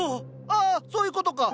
ああそういうことか。